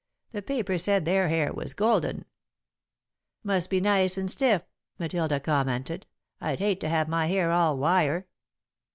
The paper said their hair was golden." "Must be nice and stiff," Matilda commented. "I'd hate to have my hair all wire."